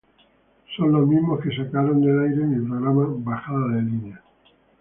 Son los mismos que sacaron del aire mi programa, 'Bajada de Línea'".